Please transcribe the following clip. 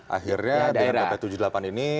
akhirnya dengan pp tujuh puluh delapan ini